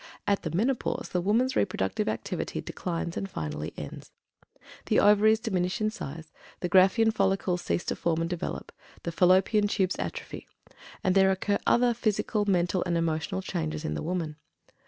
At the Menopause the woman's reproductive activity declines and finally ends. The Ovaries diminish in size, the Graafian follicles cease to form and develop; the Fallopian Tubes atrophy; and there occur other physical, mental, and emotional changes in the woman.